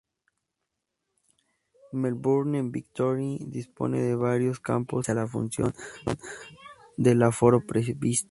Melbourne Victory dispone de varios campos que utiliza en función del aforo previsto.